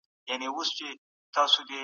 جغرافیایي علتونه د ځان وژنې لامل نه دي.